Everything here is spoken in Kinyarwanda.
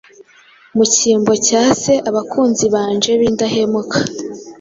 Mu cyimbo cya se abakunzi banje bindahemuka